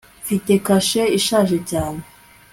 mfite kashe ishaje cyane